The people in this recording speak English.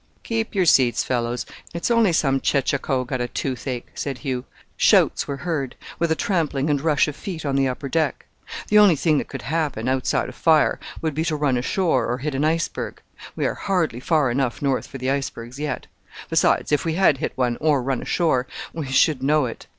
"Keep your seats, fellows; it's only some chechacho got the toothache," said Hugh. Shouts were heard, with a trampling and rush of feet on the upper deck. "The only thing that could happen outside of fire would be to run ashore or hit an iceberg. We are hardly far enough north for the icebergs yet besides, if we had hit one, or run ashore, we should know it.